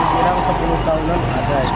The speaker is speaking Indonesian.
sudah hampir sepuluh tahunan ada